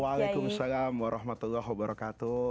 waalaikumsalam warahmatullahi wabarakatuh